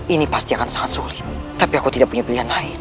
ini pasti akan sangat sulit tapi aku tidak punya pilihan lain